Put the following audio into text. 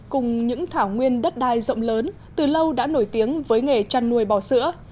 cùng những thảo nguyên đất đai rộng lớn từ lâu đã nổi tiếng với nghề chăn nuôi bò sữa